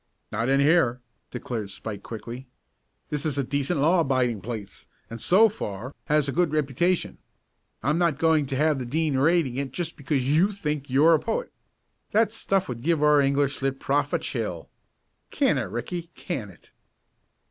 "Not in here," declared Spike, quickly. "This is a decent, law abiding place, and, so far, has a good reputation. I'm not going to have the Dean raiding it just because you think you're a poet. That stuff would give our English Lit. prof. a chill. Can it, Ricky, can it."